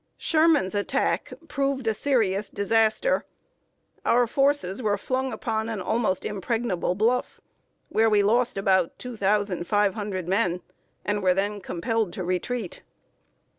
Sherman's attack proved a serious disaster. Our forces were flung upon an almost impregnable bluff, where we lost about two thousand five hundred men, and were then compelled to retreat.